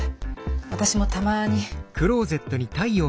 私もたまに。